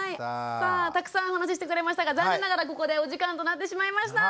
さあたくさんお話ししてくれましたが残念ながらここでお時間となってしまいました。